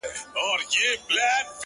• له عمرونو په دې کور کي هستېدله ,